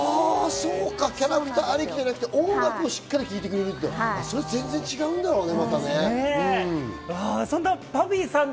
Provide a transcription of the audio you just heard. キャラクターありきじゃなくて音楽をしっかり聞いてくれるって全然違うんだろうね。